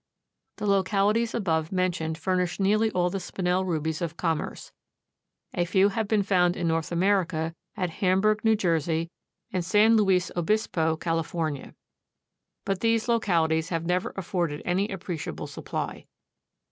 The localities above mentioned furnish nearly all the Spinel rubies of commerce. A few have been found in North America at Hamburgh, New Jersey, and San Luis Obispo, California. But these localities have never afforded any appreciable supply.